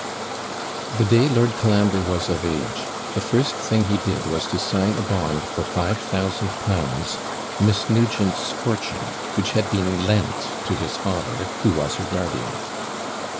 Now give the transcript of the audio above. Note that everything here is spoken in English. The day Lord Colambre was of age, the first thing he did was to sign a bond for five thousand pounds, Miss Nugent's fortune, which had been lent to his father, who was her guardian.